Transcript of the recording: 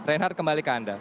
reinhardt kembali ke anda